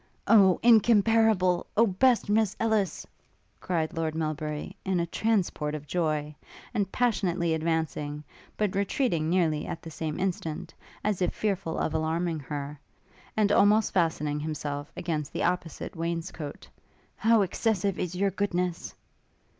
'Oh, incomparable Oh, best Miss Ellis!' cried Lord Melbury, in a transport of joy, and passionately advancing; but retreating nearly at the same instant, as if fearful of alarming her; and almost fastening himself against the opposite wainscoat; 'how excessive is your goodness!'